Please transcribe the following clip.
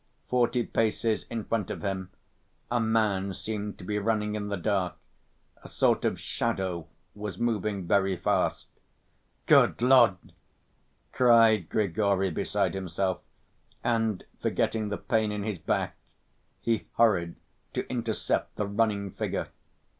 Forty paces in front of him a man seemed to be running in the dark, a sort of shadow was moving very fast. "Good Lord!" cried Grigory beside himself, and forgetting the pain in his back, he hurried to intercept the running figure.